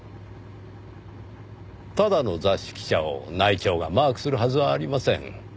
ただの雑誌記者を内調がマークするはずはありません。